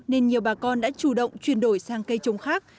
nên nhiều bà con đã chủ động chuyển đổi sang cây trồng khác